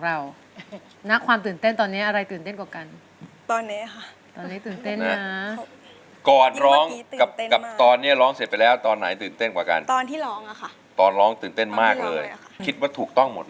ระหว่างที่คุณพ่อบอกไวแอบให้หยุดเพื่อให้น้องลงแล้วคนอื่นต้องหยุดบท